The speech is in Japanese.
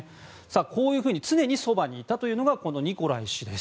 こういうふうに常にそばにいたのがニコライ氏です。